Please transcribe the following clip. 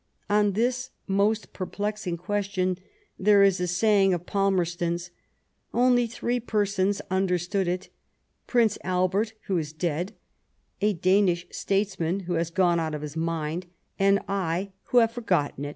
On this most per plexing question, there is a saying of Palmerston's :" Only three persons understood it : Prince Albert, who is dead ; a Danish states man, who has gone out of his mind ; and I, who have forgotten it."